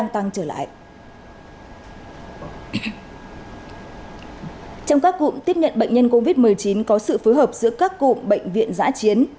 trong các cụm tiếp nhận bệnh nhân covid một mươi chín có sự phối hợp giữa các cụm bệnh viện giã chiến